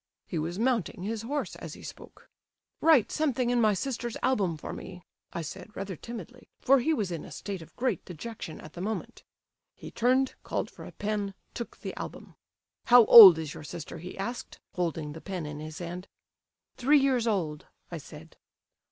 He was mounting his horse as he spoke. 'Write something in my sister's album for me,' I said rather timidly, for he was in a state of great dejection at the moment. He turned, called for a pen, took the album. 'How old is your sister?' he asked, holding the pen in his hand. 'Three years old,' I said.